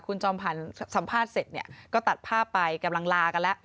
คุณจอมพันธ์สัมภาษณ์เสร็จเนี่ยก็ตัดภาพไปกำลังลากันแล้ว